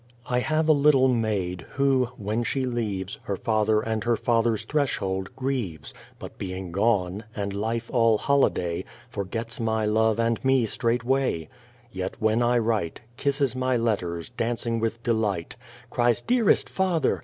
I have a little maid who, when she leaves Her father and her father's threshold, grieves, But being gone, and life all holiday, Forgets my love and me straightway; Yet when I write, Kisses my letters, dancing with delight, Cries " Dearest father